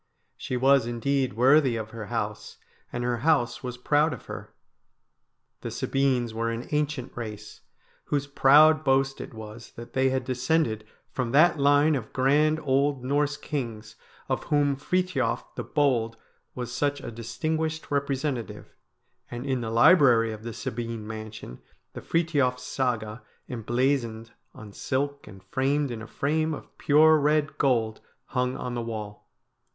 She was indeed worthy of her house, and her house was proud of her The Sabines were an ancient race, whose proud boast it was that they had descended from that line of grand old Norse kings of whom Frithiof the Bold was such a distinguished representative, and in the library of the Sabine mansion the Frithiof Saga emblazoned on silk and framed in a frame of pure red gold hung on the wall.